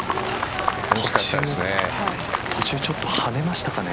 途中ちょっと跳ねましたかね。